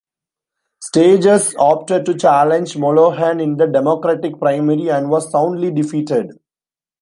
Staggers opted to challenge Mollohan in the Democratic primary, and was soundly defeated.